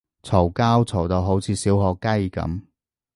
嘈交嘈到好似小學雞噉